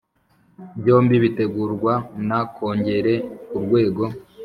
byombi bitegurwa na kongere ku rwego